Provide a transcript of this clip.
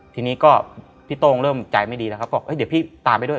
ทีนี้ก็พี่โต้งเริ่มใจไม่ดีแล้วครับบอกเดี๋ยวพี่ตามไปด้วย